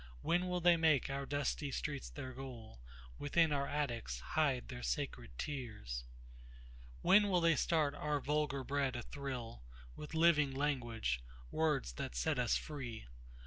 When will they make our dusty streets their goal, Within our attics hide their sacred tears? When will they start our vulgar blood athrillWith living language—words that set us free?